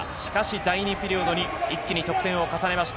第２ピリオドに一気に得点を重ねました。